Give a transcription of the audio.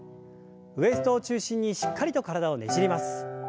ウエストを中心にしっかりと体をねじります。